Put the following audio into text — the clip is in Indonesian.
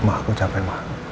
mama aku capek mama